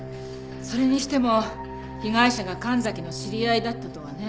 それにしても被害者が神崎の知り合いだったとはね。